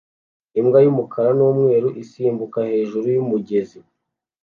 Imbwa y'umukara n'umweru isimbuka hejuru y'umugezi